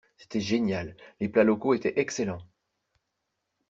C'était génial, les plats locaux étaient excellents.